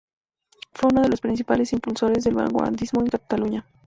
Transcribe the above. Fue uno de los principales impulsores del vanguardismo en Cataluña.